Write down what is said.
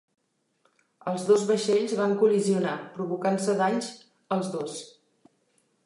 Els dos vaixells van col·lisionar, provocant-se danys els dos.